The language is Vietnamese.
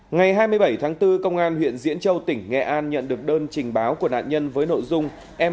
ngày hai mươi bảy tháng bốn công an huyện diễn châu tỉnh nghệ an nhận được đơn trình báo của nạn nhân với nội dung